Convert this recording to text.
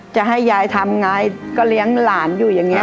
จะให้ยายทำไงก็เลี้ยงหลานอยู่อย่างนี้